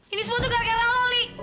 ini semua tuh gara gara lo li